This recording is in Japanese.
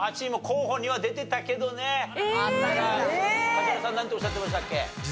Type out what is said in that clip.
梶原さんなんておっしゃってましたっけ？